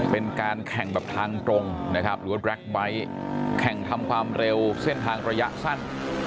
เป็นการแข่งแบบทางตรงนะครับหรือว่าแร็คไบท์แข่งทำความเร็วเส้นทางระยะสั้น